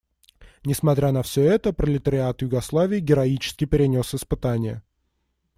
Несмотря на все это пролетариат Югославии героически перенес испытания.